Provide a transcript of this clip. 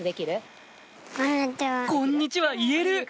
「こんにちは」言える！